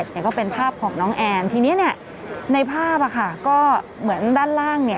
ก็เป็นภาพของน้องแอนทีนี้ในภาพก็เหมือนด้านล่างเนี่ย